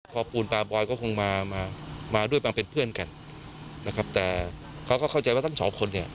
พอปูนตาบอยก็คงมามาด้วยความเป็นเพื่อนกันนะครับแต่เขาก็เข้าใจว่าทั้งสองคนเนี่ย